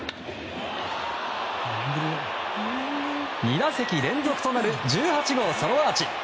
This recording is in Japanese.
２打席連続となる１８号ソロアーチ。